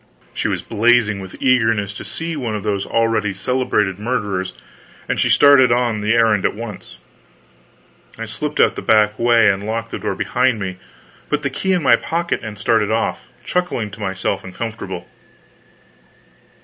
She was blazing with eagerness to see one of those already celebrated murderers, and she started on the errand at once. I slipped out the back way, locked the door behind me, put the key in my pocket and started off, chuckling to myself and comfortable.